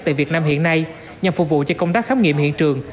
tại việt nam hiện nay nhằm phục vụ cho công tác khám nghiệm hiện trường